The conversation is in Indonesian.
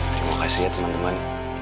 terima kasih ya teman teman